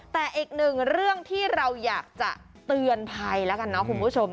แต่อีกหนึ่งเรื่องที่เราอยากจะเตือนภัยแล้วกันนะคุณผู้ชม